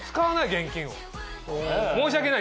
現金を。